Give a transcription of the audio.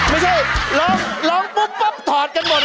ไม่ใช่ร้องปุ๊บปั๊บถอดกันหมด